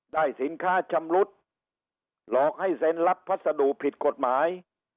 ได้สินค้าชำรุดหลอกให้เซ็นรับพัสดุผิดกฎหมาย